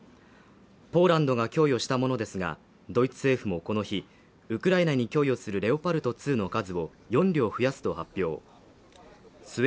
ポーランドが供与したものですが、ドイツ政府もこの日、ウクライナに供与するレオパルト２の数を４両を増やすと発表。